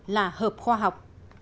là hợp khoa học